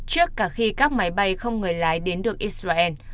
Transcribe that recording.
trước cả khi các máy bay không người lái đến được israel